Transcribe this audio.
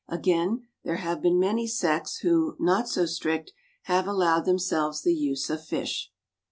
Again, there have been many sects who, not so strict, have allowed themselves the use of fish.